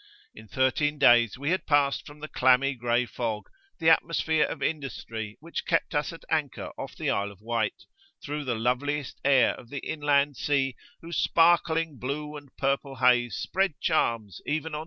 In thirteen days we had passed from the clammy grey fog, that atmosphere [p.9]of industry which kept us at anchor off the Isle of Wight, through the loveliest air of the Inland Sea, whose sparkling blue and purple haze spread charms even on N.